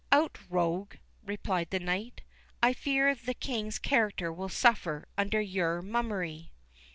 "Out, rogue!" replied the knight. "I fear the King's character will suffer under your mummery."